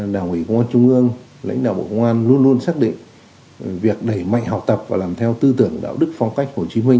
đảng ủy công an trung ương lãnh đạo bộ công an luôn luôn xác định việc đẩy mạnh học tập và làm theo tư tưởng đạo đức phong cách hồ chí minh